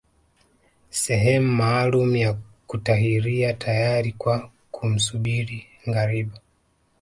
Sehemu maalumu ya kutahiria tayari kwa kumsubiri ngariba